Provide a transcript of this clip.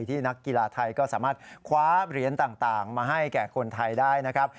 นักกีฬาไทยก็สามารถคว้าเหรียญต่างมาให้แก่คนไทยได้นะครับ